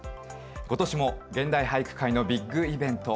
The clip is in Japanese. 今年も現代俳句界のビッグイベント